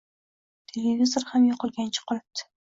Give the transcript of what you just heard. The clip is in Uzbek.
Televizor ham yoqilganicha qolibdi